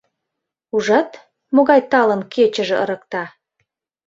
Ужат, могай талын кечыже ырыкта.